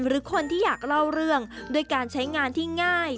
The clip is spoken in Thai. หรือคนที่อยากเล่าเรื่องด้วยการใช้งานที่ง่าย